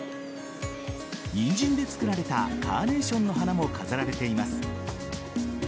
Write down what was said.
ニンジンで作られたカーネーションの花も飾られています。